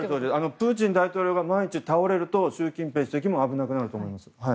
プーチン大統領が万一倒れると習近平主席も危なくなると思います。